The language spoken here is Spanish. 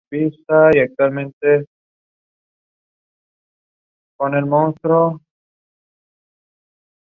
Sus vidas cambiarán para siempre con la llegada de los europeos.